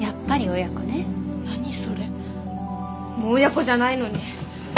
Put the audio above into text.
もう親子じゃないのに。